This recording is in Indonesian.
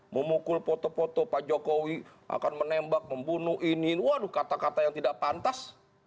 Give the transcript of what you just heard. memukul foto foto pak jokowi akan menembak membunuh ini waduh kata kata yang tidak pantas